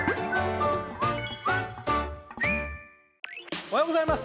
おはようございます。